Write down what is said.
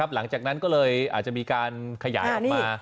อาจจะมีการขยายออกมา